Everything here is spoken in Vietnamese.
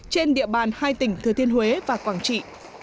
trên địa bàn hai tỉnh thừa thiên huế và quảng trị